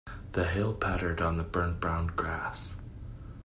The hail pattered on the burnt brown grass.